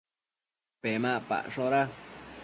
Pemacpashoda